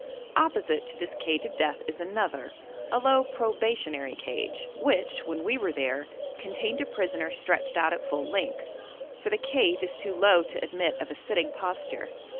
Opposite to this cage of death is another, a low probationary cage, which, when we were there, contained a prisoner stretched out at full length, for the cage is too low to admit of a sitting posture.